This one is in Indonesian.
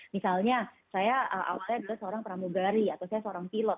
misalnya saya awalnya dulu seorang pramugari atau saya seorang pilot